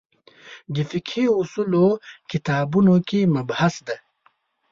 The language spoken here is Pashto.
د فقهې اصولو کتابونو کې مبحث دی.